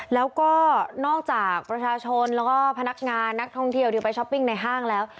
แล้วก็นอกจากประชาชนแล้วก็พนักงานนักท่องเที่ยวที่ไปช้อปปิ้งในห้างแล้ว